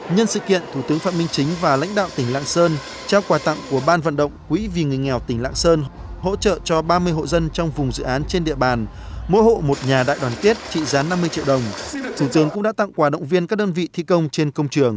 nhân sự kiện thủ tướng phạm minh chính và lãnh đạo tỉnh lạng sơn trao quà tặng của ban vận động quỹ vì người nghèo tỉnh lạng sơn hỗ trợ cho ba mươi hộ dân trong vùng dự án trên địa bàn mỗi hộ một nhà đại đoàn tiết trị gián năm mươi triệu đồng thủ tướng cũng đã tặng quà động viên các đơn vị thi công trên công trường